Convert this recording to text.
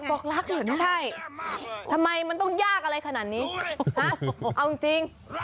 บอกรักเหรอไม่ใช่ทำไมมันต้องยากอะไรขนาดนี้ฮะเอาจริง